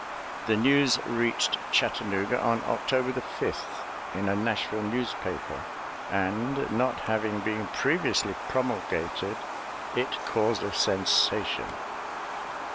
The news reached Chattanooga on October 5th in a Nashville newspaper, and, not having been previously promulgated, it caused a sensation.